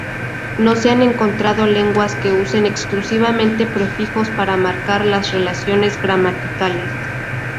No se han encontrado lenguas que usen exclusivamente prefijos para marcar las relaciones gramaticales.